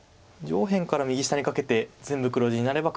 上辺から右下にかけて全部黒地になれば黒の勝ちです。